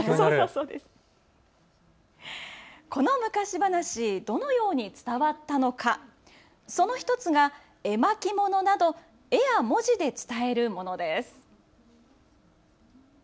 この昔話、どのように伝わったのか、その１つが絵巻物など絵や文字で伝えるものです。